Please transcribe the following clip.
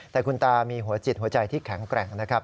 แต่คุณตามีหัวจิตหัวใจที่แข็งแกร่งนะครับ